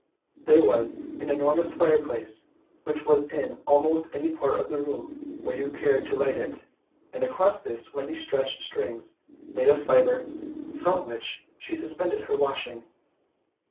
There was an enormous fireplace which was in almost any part of the room where you cared to light it, and across this Wendy stretched strings, made of fibre, from which she suspended her washing.